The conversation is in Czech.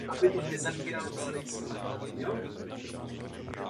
Je vybaven zatahovacím podvozkem.